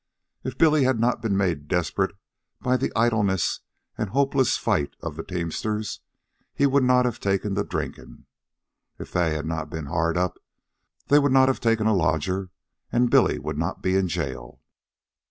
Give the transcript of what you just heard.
If Billy had not been made desperate by the idleness and the hopeless fight of the teamsters, he would not have taken to drinking. If they had not been hard up, they would not have taken a lodger, and Billy would not be in jail.